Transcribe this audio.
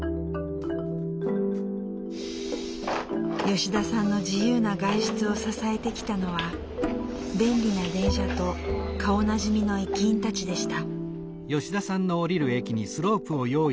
吉田さんの自由な外出を支えてきたのは便利な電車と顔なじみの駅員たちでした。